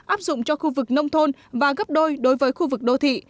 áp dụng cho khu vực nông thôn và gấp đôi đối với khu vực đô thị